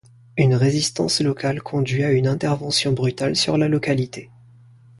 Une résistance locale conduit à une intervention brutale sur la localité.